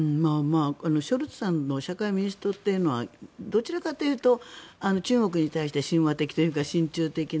ショルツさんの社会民主党というのはどちらかというと中国に対して親和的というか親中的な。